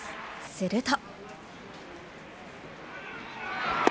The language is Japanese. すると。